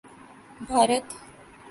Bharat